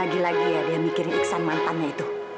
lagi lagi ya dia mikirin iksan mantannya itu